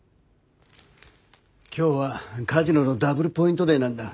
今日はカジノのダブルポイントデーなんだ。